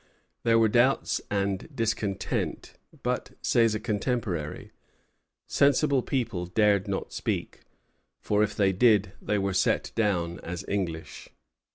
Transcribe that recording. There were doubts and discontent; but, says a contemporary, "sensible people dared not speak, for if they did they were set down as English."